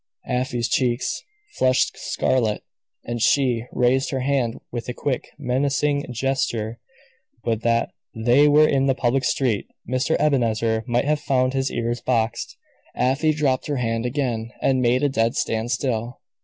Afy's cheeks flushed scarlet, and she raised her hand with a quick, menacing gesture. But that they were in the public street Mr. Ebenezer might have found his ears boxed. Afy dropped her hand again, and made a dead standstill.